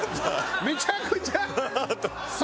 めちゃくちゃ。